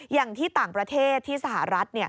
อย่างที่ต่างประเทศที่สหรัฐ